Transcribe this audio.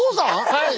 はい。